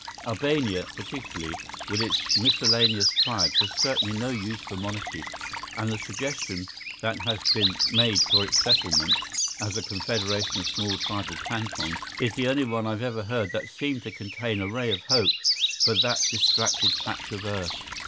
Albania, particularly, with its miscellaneous tribes has certainly no use for monarchy, and the suggestion that has been made for its settlement, as a confederation of small tribal cantons is the only one I have ever heard that seemed to contain a ray of hope for that distracted patch of earth.